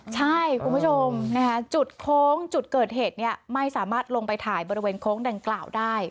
ใช่คุณผู้ชมจุดโค้งจุดเกิดเหตุไม่สามารถลงไปถ่ายบริเวณโค้งดังกล่าวได้